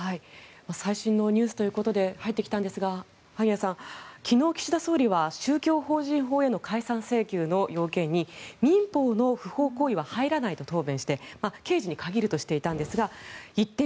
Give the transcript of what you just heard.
最新のニュースということで入ってきたんですが萩谷さん、昨日、岸田総理は宗教法人法への解散請求の要件に民法の不法行為は入らないと答弁していて刑事に限るとしていたんですが一転